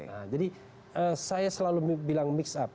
nah jadi saya selalu bilang mix up